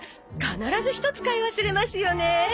必ずひとつ買い忘れますよね。